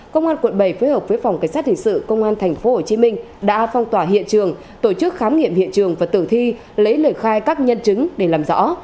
công an quận bảy phối hợp với phòng cảnh sát hình sự công an tp hcm đã phong tỏa hiện trường tổ chức khám nghiệm hiện trường và tử thi lấy lời khai các nhân chứng để làm rõ